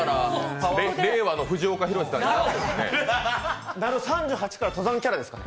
令和の藤岡弘、さんになると３８から登山キャラですか？